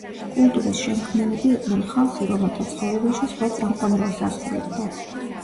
კულტურის შემქმნელები იყვნენ ხალხი, რომელთა ცხოვრებაში ზღვა წამყვან როლს ასრულებდა.